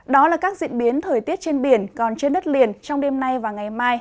đó là các diễn biến thời tiết trên biển còn trên đất liền trong đêm nay và ngày mai